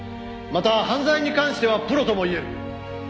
また犯罪に関してはプロとも言える。